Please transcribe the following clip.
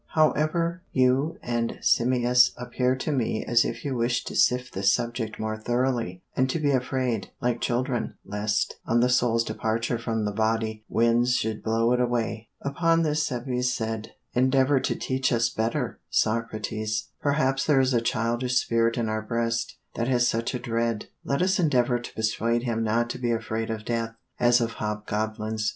_ 'However, you and Simmias appear to me as if you wished to sift this subject more thoroughly, and to be afraid, like children, lest, on the soul's departure from the body, winds should blow it away.' "Upon this Cebes said, 'Endeavor to teach us better, Socrates. Perhaps there is a childish spirit in our breast, that has such a dread. Let us endeavor to persuade him not to be afraid of death, as of hobgoblins.'